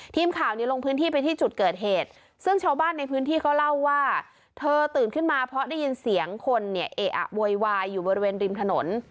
ทีมข่าวนี้ลงพื้นที่ไปที่จุดเกิดเหตุซึ่งชาวบ้านในพื้นที่เขาเล่าว่าเธอตื่นขึ้นมาเพราะได้ยินเสียงคนเนี่ยเอะอะโวยวายอยู่บริเวณริมถนน